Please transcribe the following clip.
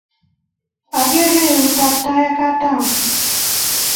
Ageere eut ab tai ak katam